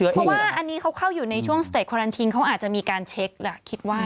เพราะว่าอันนี้เขาเข้าอยู่ในช่วงสเตจควารันทิงเขาอาจจะมีการเช็คแหละคิดว่า